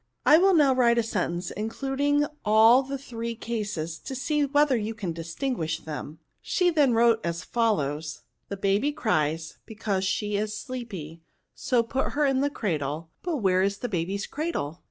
I will now write a sentence, including all the three cases, to see whether you can distinguish them;" she then wrote as fol lows :— The baby cries, because she is sleepy, so put her in the cradle ; but where is the baby's cradle